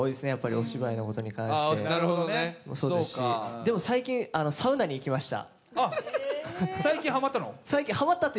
お芝居のことに関してもそうですしでも最近、サウナに行きました。